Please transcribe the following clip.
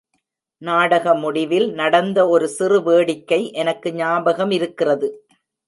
நாடக முடிவில் நடந்த ஒரு சிறு வேடிக்கை எனக்கு ஞாபகமிருக்கிறது.